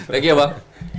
thank you bang